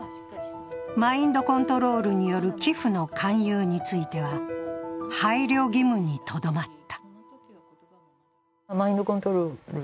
マインドコントロールによる寄付の勧誘については配慮義務にとどまった。